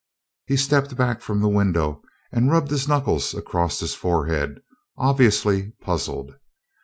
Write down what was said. He stepped back from the window and rubbed his knuckles across his forehead, obviously puzzled.